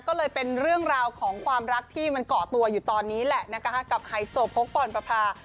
ก็เลยเป็นเรื่องราวของความรักที่มันเกาะตัวอยู่ตอนนี้แหละนะคะกับไฮโซโพกปรประพา